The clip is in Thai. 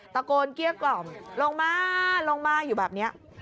ตะโกนเกรี้ยกล่อมลงมาว่างมาอยู่แบบนี้